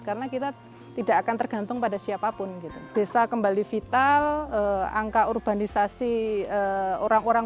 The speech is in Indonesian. karena kita tidak akan tergantung pada siapapun gitu desa kembali vital angka urbanisasi orang orang